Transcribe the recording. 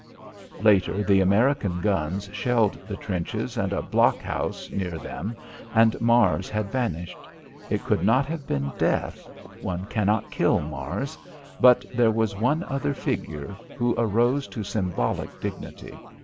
Later, the American guns shelled the trenches and a blockhouse near them, and Mars had vanished. It could not have been death. One cannot kill Mars. But there was one other figure, which arose to symbolic dignity.